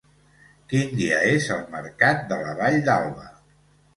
Quin dia és el mercat de la Vall d'Alba?